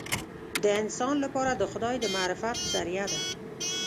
د انسان لپاره د خدای د معرفت ذریعه ده.